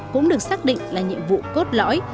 cũng được xác định là nhiệm vụ cốt lõi